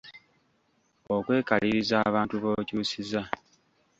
Okwekaliriza abantu b’okyusiza